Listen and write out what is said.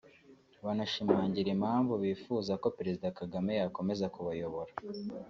banashimangira impamvu bifuza ko Perezida Kagame yakomeza kubayobora